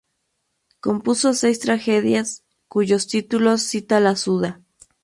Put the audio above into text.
Compuso seis tragedias, cuyos títulos cita la "Suda".